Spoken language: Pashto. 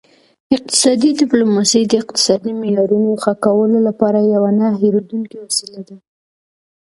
اقتصادي ډیپلوماسي د اقتصادي معیارونو ښه کولو لپاره یوه نه هیریدونکې وسیله ده